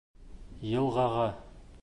Йылғаға